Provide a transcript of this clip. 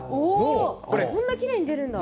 こんなにきれいに出るんだ。